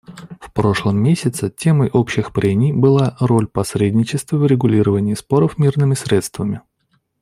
В прошлом месяце темой общих прений была «Роль посредничества в урегулировании споров мирными средствами».